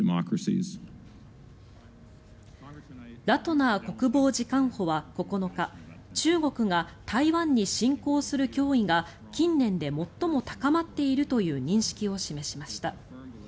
ラトナー国防次官補は９日中国が台湾に侵攻する脅威が近年で最も高まっているという認識を示しました。